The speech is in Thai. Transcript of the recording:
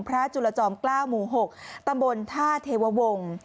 พระจุลจอมเกล้ามูหกตำบลท่าเทววง